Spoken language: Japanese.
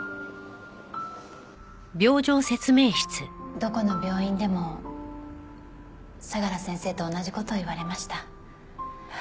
どこの病院でも相良先生と同じ事を言われました。